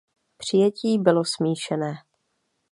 Přijetí bylo smíšené.